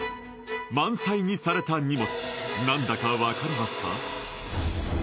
満載にされた荷物何だか分かりますか？